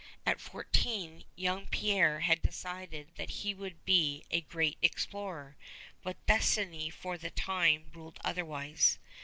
At fourteen young Pierre had decided that he would be a great explorer, but destiny for the time ruled otherwise.